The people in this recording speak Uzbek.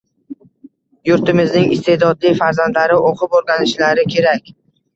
Yurtimizning isteʼdodli farzandlari oʻqib-oʻrganishlarikerak